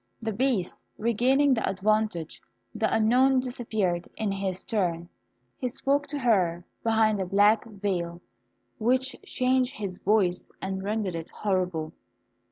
The Beast regaining the advantage, the unknown disappeared in his turn. He spoke to her from behind a black veil, which changed his voice, and rendered it horrible.